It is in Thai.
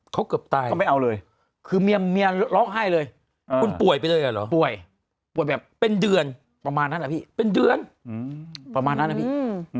เขาเกือบตายเขาไม่เอาเลยคือเมียร้องไห้เลยคุณป่วยไปเลยเหรอป่วยป่วยแบบเป็นเดือนประมาณนั้นนะพี่เป็นเดือนประมาณนั้นนะพี่